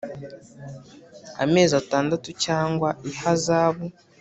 Amezi atandatu cyangwa ihazabu